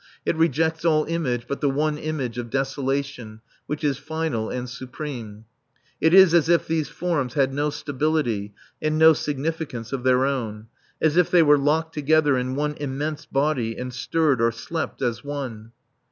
It rejects all images but the one image of desolation which is final and supreme. It is as if these forms had no stability and no significance of their own; as if they were locked together in one immense body and stirred or slept as one.